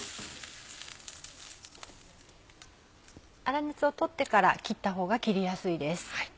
粗熱を取ってから切った方が切りやすいです。